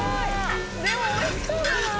でもおいしそうだな。